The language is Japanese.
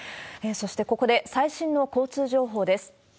そしてここで最新の交通情報です。